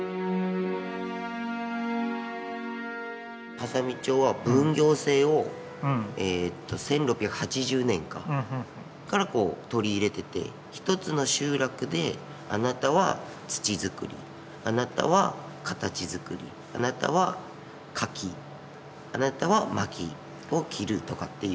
波佐見町は分業制を１６８０年から取り入れてて一つの集落であなたは土づくりあなたは形づくりあなたは描きあなたはまきを切るとかっていう。